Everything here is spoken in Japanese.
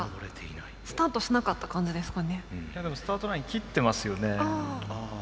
いやでもスタートライン切ってますよね。